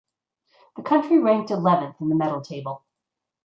The country ranked eleventh in the medal table.